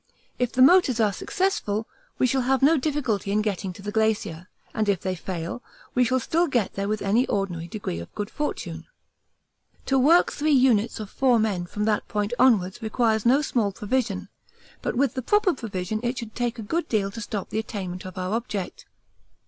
If the motors are successful, we shall have no difficulty in getting to the Glacier, and if they fail, we shall still get there with any ordinary degree of good fortune. To work three units of four men from that point onwards requires no small provision, but with the proper provision it should take a good deal to stop the attainment of our object.